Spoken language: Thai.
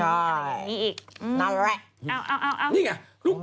อย่างนี้อีก